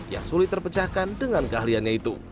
yang sulit terpecahkan dengan keahliannya itu